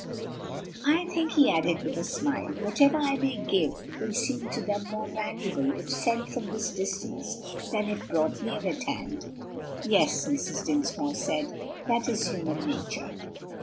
"I think," he added with a smile, "whatever I may give will seem to them more valuable if sent from this distance than if bought near at hand." "Yes," Mrs. Dinsmore said, "that is human nature."